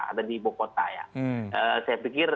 ada di bokota ya saya pikir